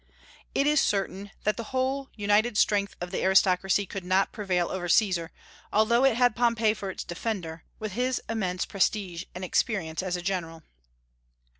It is certain that the whole united strength of the aristocracy could not prevail over Caesar, although it had Pompey for its defender, with his immense prestige and experience as a general.